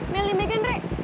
milih megan re